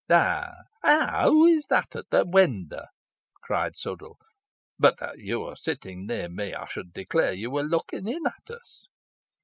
"Ah! who is that at the window?" cried Sudall; "but that you are sitting near me, I should declare you were looking in at us."